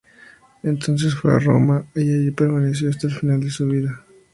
Entonces fue a Roma, y allí permaneció hasta el final de su vida.